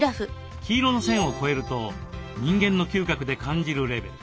黄色の線を超えると人間の嗅覚で感じるレベル。